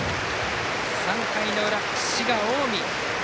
３回の裏、滋賀・近江。